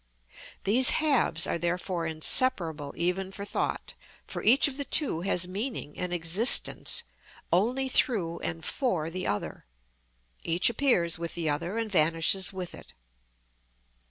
These halves are therefore inseparable even for thought, for each of the two has meaning and existence only through and for the other, each appears with the other and vanishes with it.